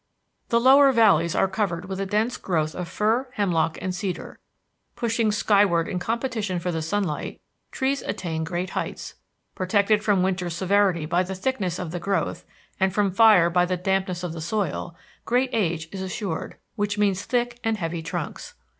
The lower valleys are covered with a dense growth of fir, hemlock, and cedar. Pushing skyward in competition for the sunlight, trees attain great heights. Protected from winter's severity by the thickness of the growth, and from fire by the dampness of the soil, great age is assured, which means thick and heavy trunks.